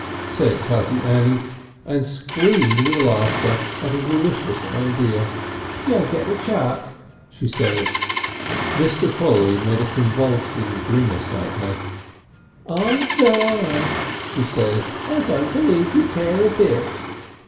said cousin Annie, and screamed with laughter at a delicious idea. "You'll get the Chuck," she said. Mr. Polly made a convulsing grimace at her. "I'll die!" she said. "I don't believe you care a bit!"